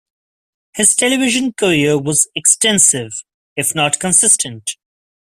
His television career was extensive, if not consistent.